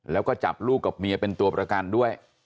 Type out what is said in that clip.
แล้วก็จับลูกกับเมียเป็นตัวประกันด้วย